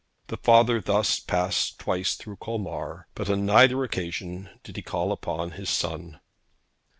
The father thus passed twice through Colmar, but on neither occasion did he call upon his son.